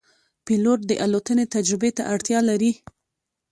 پیلوټ د الوتنې تجربې ته اړتیا لري.